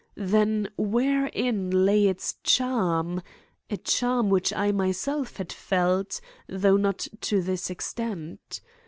Then wherein lay its charm,—a charm which I myself had felt, though not to this extent?